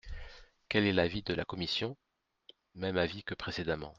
Quel est l’avis de la commission ? Même avis que précédemment.